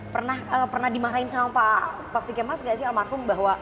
pernah dimarahin sama pak taufik kemas gak sih almarhum bahwa